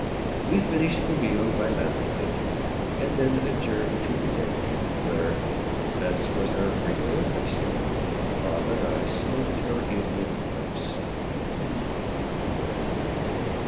We finished the meal by lamplight, and then adjourned to the deck, where, as was our regular custom, Bob and I smoked our evening pipes.